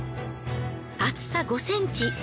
厚さ５ｃｍ